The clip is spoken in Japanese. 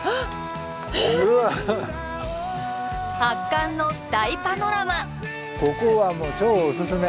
圧巻の大パノラマ！